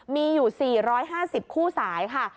มีอยู่๔๕๐คู่สายค่ะ